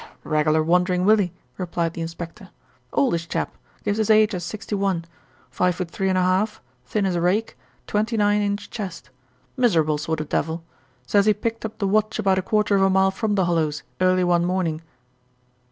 "A regular wandering willie," replied the inspector. "Oldish chap, gives his age as sixty one. Five foot three and a half, thin as a rake, twenty nine inch chest. Miserable sort of devil. Says he picked up the watch about a quarter of a mile from 'The Hollows' early one morning."